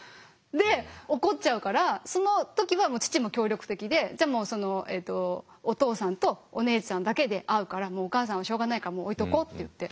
で怒っちゃうからその時は父も協力的で「じゃあお父さんとお姉ちゃんだけで会うからお母さんはしょうがないからもう置いとこう」って言って。